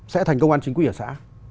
sẽ thành công an chính quy ở xã